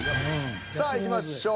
さあいきましょう。